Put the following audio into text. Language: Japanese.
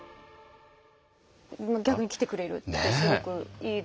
逆に来てくれるってすごくいいですよね。